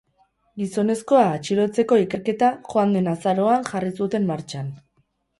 Gizonezkoa atxilotzeko ikerketa joan den azaroan jarri zuten martxan.